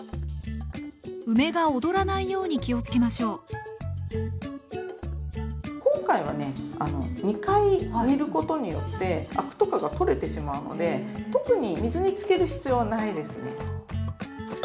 梅が踊らないように気をつけましょう今回はね２回煮ることによってアクとかが取れてしまうので特に水につける必要はないですね。